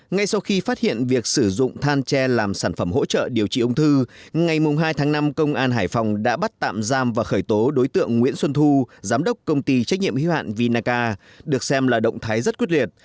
ngay sau khi phát hiện việc sử dụng than tre làm sản phẩm hỗ trợ điều trị ung thư ngày hai tháng năm công an hải phòng đã bắt tạm giam và khởi tố đối tượng nguyễn xuân thu giám đốc công ty trách nhiệm hiếu hạn vinaca được xem là động thái rất quyết liệt